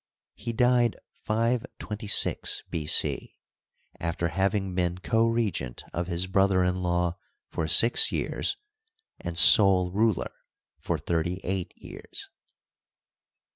He died 526 B. C, after having been co regent of his brother in law for six years and sole ruler for thirty eight years.